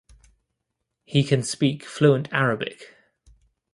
He can speak fluent Arabic.